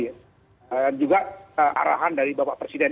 juga arahan dari bapak presiden